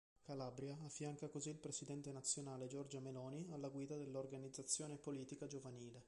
Calabria affianca così il Presidente Nazionale Giorgia Meloni alla guida dell'organizzazione politica giovanile.